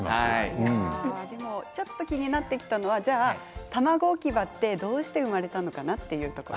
ちょっと気になってきたのは卵置き場ってどうして生まれたのかな